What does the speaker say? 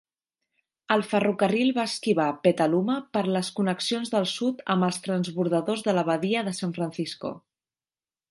El ferrocarril va esquivar Petaluma per les connexions del sud amb els transbordadors de la Badia de San Francisco.